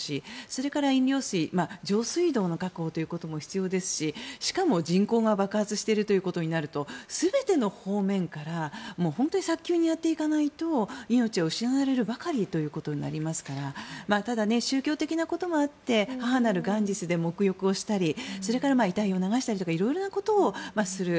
それから飲料水上水道の確保ということも必要ですし、しかも人口が爆発しているということになると全ての方面から本当に早急にやっていかないと命は失われるばかりになってしまいますからただ、宗教的なこともあって母なるガンジスで沐浴をしたりそれから遺体を流したりとか色々なことをする。